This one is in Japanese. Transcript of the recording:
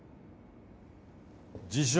自称